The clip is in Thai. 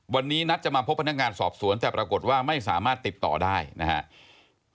วันนี้นัดจะมาพบพนักงานสอบสวนแต่ปรากฏว่าไม่สามารถติดต่อได้นะครับ